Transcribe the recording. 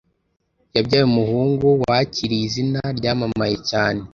Yabyaye umuhunguwakiriye izina ryamamaye cyane